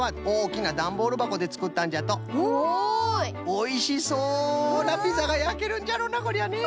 おいしそうなピザがやけるんじゃろなこりゃね。